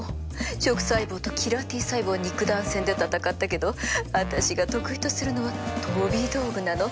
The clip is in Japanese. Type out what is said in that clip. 食細胞とキラーＴ細胞は肉弾戦で闘ったけど私が得意とするのは飛び道具なの。